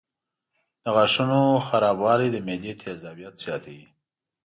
د غاښونو خرابوالی د معدې تیزابیت زیاتوي.